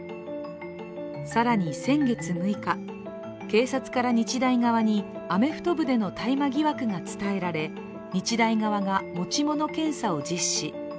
更に先月６日、警察から日大側にアメフト部での大麻疑惑が伝えられ、日大側が持ち物検査を実施。